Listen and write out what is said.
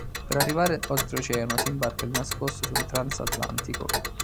Per arrivare oltre oceano, si imbarca di nascosto su un transatlantico.